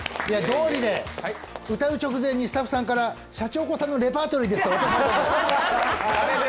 どおりで、歌う直前にスタッフさんからシャチホコさんのレパートリーでしょ。